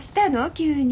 急に。